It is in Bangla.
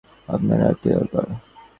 আপনার আর কী দরকার?